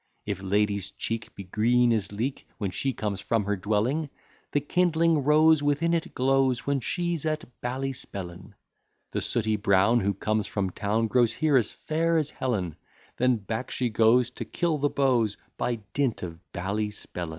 If lady's cheek be green as leek When she comes from her dwelling, The kindling rose within it glows When she's at Ballyspellin. The sooty brown, who comes from town, Grows here as fair as Helen; Then back she goes, to kill the beaux, By dint of Ballyspellin.